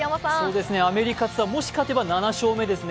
アメリカツアー、もし勝てば７勝目ですね。